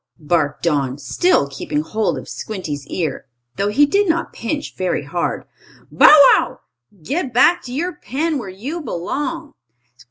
barked Don, still keeping hold of Squinty's ear, though he did not pinch very hard. "Bow wow! Get back to your pen where you belong!"